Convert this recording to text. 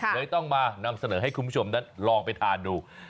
เลยต้องมานำเสนอให้คุณผู้ชมนั้นลองไปทานดู